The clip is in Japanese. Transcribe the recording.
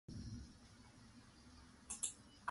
東京都杉並区